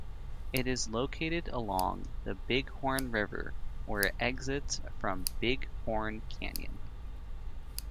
It is located along the Bighorn River where it exits from Bighorn Canyon.